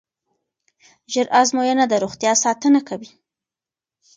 ژر ازموینه د روغتیا ساتنه کوي.